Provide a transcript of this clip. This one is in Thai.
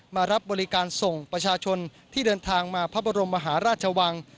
มารับบริการส่งประชาชนที่เดินทางมาพระบรมมหาราชวัง